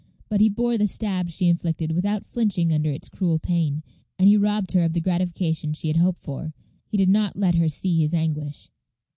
But he bore the stab she inflicted without flinching under its cruel pain, and he robbed her of the gratification she had hoped for. He did not let her see his anguish.